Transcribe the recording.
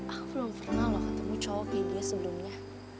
aku belum pernah loh ketemu cowok kayak dia sebelumnya